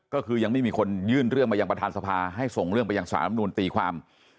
ก็คือยังไม่มีคนยื่นเรื่องมายังประธานสภาให้ส่งเรื่องไปยังสารรำนูนตีความ